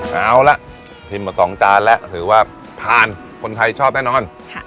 เอาละพิมพ์มาสองจานและถือว่าผ่านคนไทยชอบแน่นอนฮะ